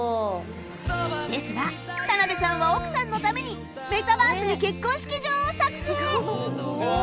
ですがタナベさんは奥さんのためにメタバースに結婚式場を作成